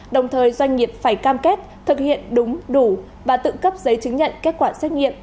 đồng thời doanh nghiệp phải cam kết thực hiện đúng đủ và tự cấp giấy chứng nhận kết quả xét nghiệm